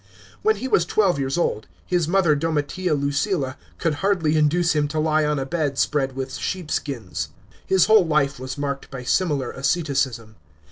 When he was twelve years old, his mother Domitia Lucilla could liardly induce him to lie on a bed spread with sheepskins. His whole life was marked by similar asceticism.